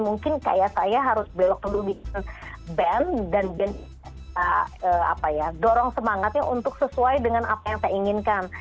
mungkin kayak saya harus belok dulu bikin band dan dorong semangatnya untuk sesuai dengan apa yang saya inginkan